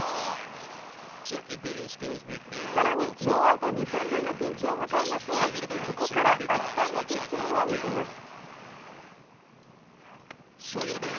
更にノーアウト二・三塁のピンチを迎えますがここから圧巻のピッチングを見せます。